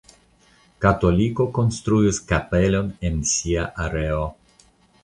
Katoliko konstruis kapelon en sia areo.